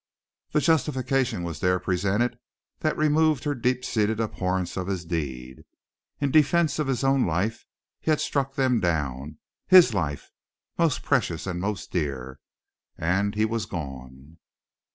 The justification was there presented that removed her deep seated abhorrence of his deed. In defense of his own life he had struck them down. His life; most precious and most dear. And he was gone.